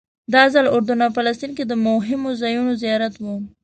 دا ځل اردن او فلسطین کې د مهمو ځایونو زیارت و.